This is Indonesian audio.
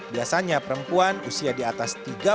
biasanya perempuan usia diatas